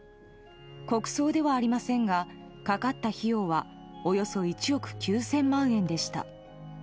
国葬ではありませんがかかった費用はおよそ１億９０００万円でした。